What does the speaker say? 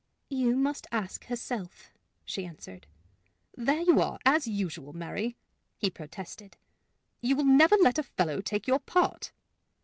"You must ask herself," she answered. "There you are, as usual, Mary!" he protested; "you will never let a fellow take your part!"